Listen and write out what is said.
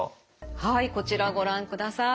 はいこちらご覧ください。